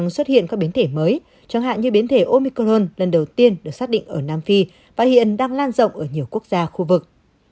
xuất hiện các biến thể mới chẳng hạn như biến thể omicron lần đầu tiên được xác định ở nam phi và hiện đang lan rộng ở nhiều quốc gia khu vực